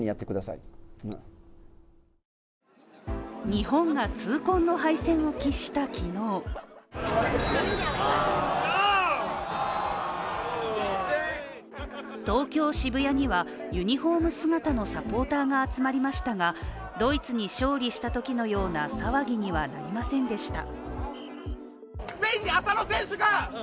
日本が痛恨の敗戦を喫した昨日東京・渋谷には、ユニフォーム姿のサポーターが集まりましたがドイツに勝利したときのような騒ぎにはなりませんでした。